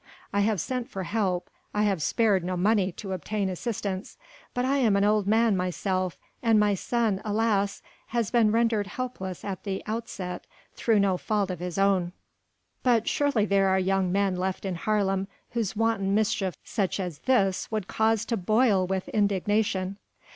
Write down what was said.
I have sent for help, I have spared no money to obtain assistance ... but I am an old man myself, and my son alas! has been rendered helpless at the outset, through no fault of his own...." "But surely there are young men left in Haarlem whom wanton mischief such as this would cause to boil with indignation."